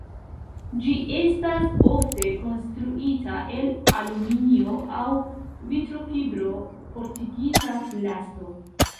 Ĝi estas ofte konstruita el aluminio aŭ vitrofibro-fortigita plasto.